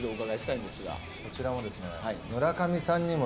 こちらは村上さんにも